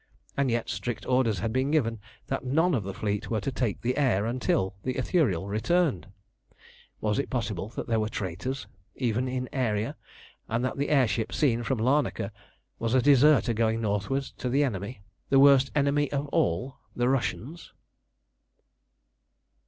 And yet strict orders had been given that none of the fleet were to take the air until the Ithuriel returned. Was it possible that there were traitors, even in Aeria, and that the air ship seen from Larnaka was a deserter going northward to the enemy, the worst enemy of all, the Russians?